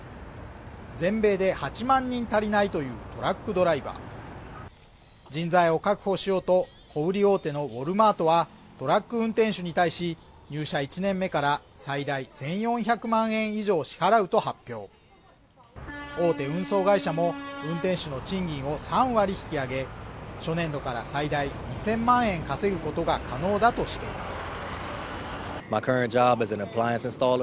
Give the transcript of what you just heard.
全米で８万人足りないというトラックドライバー人材を確保しようと小売り大手のウォルマートはトラック運転手に対し入社１年目から最大１４００万円以上を支払うと発表大手運送会社も運転手の賃金を３割引き上げ初年度から最大２０００万円稼ぐことが可能だとしています